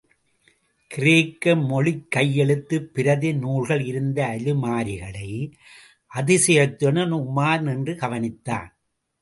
கிரேக்க மொழிக்கையெழுத்துப் பிரதி நூல்கள் இருந்த அலமாரிகளை, அதிசயத்துடன் உமார் நின்று கவனித்தான்.